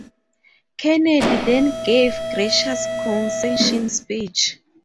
Kennedy then gave a gracious concession speech.